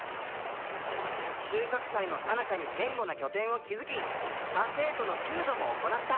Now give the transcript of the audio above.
収穫祭のさなかに堅固な拠点を築き他生徒の救助も行った」。